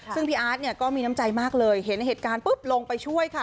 ซึ่งพี่อาร์ตเนี่ยก็มีน้ำใจมากเลยเห็นเหตุการณ์ปุ๊บลงไปช่วยค่ะ